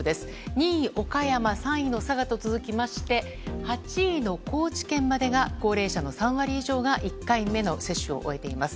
２位、岡山３位の佐賀と続きまして８位の高知県までが高齢者の３割以上が１回目の接種を終えています。